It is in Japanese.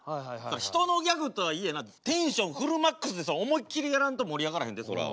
人のギャグとはいえなテンションフルマックスで思いっきりやらんと盛り上がらへんでそら。